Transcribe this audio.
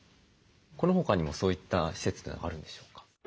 この他にもそういった施設というのはあるんでしょうか？